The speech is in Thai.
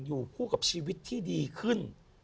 อยู่คู่กับชีวิตที่ดีขึ้น